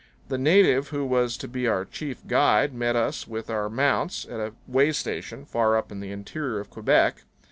The native who was to be our chief guide met us with our mounts at a way station far up in the interior of Quebec.